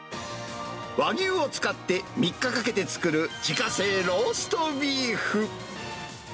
和牛を使って３日かけて作る自家製ローストビーフ。